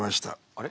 あれ？